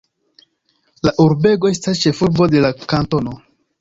La urbego estas ĉefurbo de la kantono.